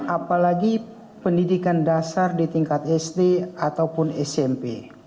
apalagi pendidikan dasar di tingkat sd ataupun smp